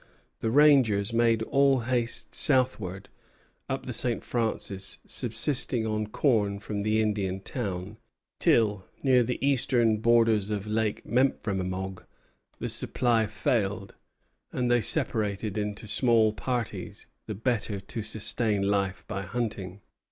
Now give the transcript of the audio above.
The rangers made all haste southward, up the St. Francis, subsisting on corn from the Indian town; till, near the eastern borders of Lake Memphremagog, the supply failed, and they separated into small parties, the better to sustain life by hunting.